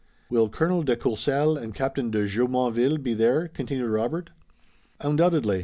"Will Colonel de Courcelles and Captain de Jumonville be there?" continued Robert. "Undoubtedly.